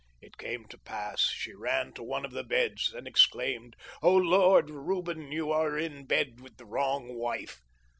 It came to pass she ran to one of the beds and exclaimed, ' O Lord, Reuben, you are in bed with the wrong wife.'